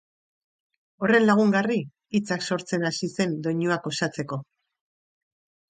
Horren lagungarri, hitzak sortzen hasi zen doinuak osatzeko